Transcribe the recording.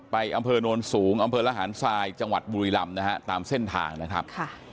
อำเภอโนนสูงอำเภอระหารทรายจังหวัดบุรีรำนะฮะตามเส้นทางนะครับ